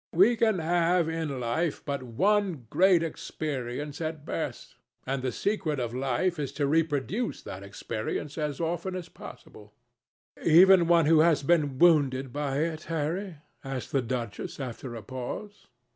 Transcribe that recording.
We can have in life but one great experience at best, and the secret of life is to reproduce that experience as often as possible." "Even when one has been wounded by it, Harry?" asked the duchess after a pause.